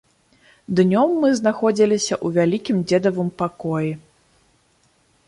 Днём мы знаходзіліся ў вялікім дзедавым пакоі.